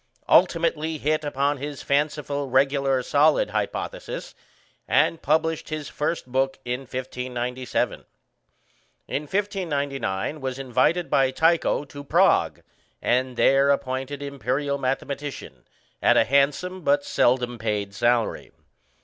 Ultimately hit upon his fanciful regular solid hypothesis, and published his first book in 1597. In 1599 was invited by Tycho to Prague, and there appointed Imperial mathematician, at a handsome but seldom paid salary.